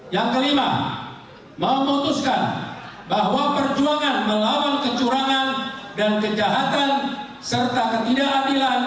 yang kelima memutuskan bahwa perjuangan melawan kecurangan dan kejahatan serta ketidakadilan